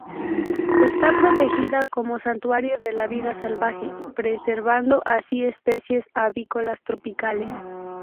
Está protegida como santuario de la vida salvaje, preservando así especies avícolas tropicales.